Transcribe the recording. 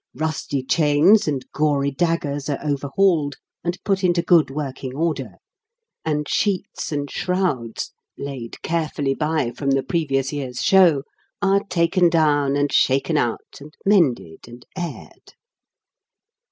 Rusty chains and gory daggers are over hauled, and put into good working order; and sheets and shrouds, laid carefully by from the previous year's show, are taken down and shaken out, and mended, and aired.